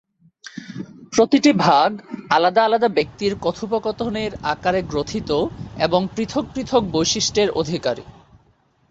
প্রতিটি ভাগ আলাদা আলাদা ব্যক্তির কথোপকথনের আকারে গ্রথিত এবং পৃথক পৃথক বৈশিষ্ট্যের অধিকারী।